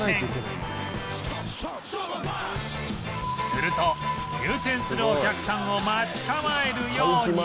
すると入店するお客さんを待ち構えるように